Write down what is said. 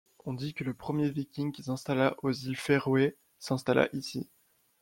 On dit que le premier viking qui s'installa aux îles Féroé s'installa ici.